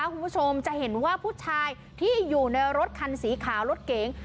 คุณผู้ชมจะเห็นว่าผู้ชายที่อยู่ในรถคันสีขาวรถเก๋ง